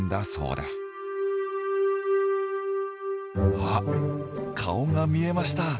あっ顔が見えました。